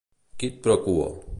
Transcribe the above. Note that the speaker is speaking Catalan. Quid pro quo.